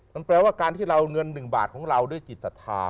มันแปลว่าการที่เราเงิน๑บาทของเราด้วยจิตศรัทธา